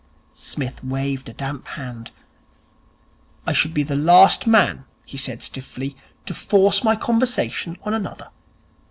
Psmith waved a damp hand. 'I should be the last man,' he said stiffly, 'to force my conversation on another.